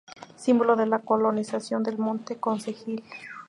Símbolo de la colonización del monte concejil.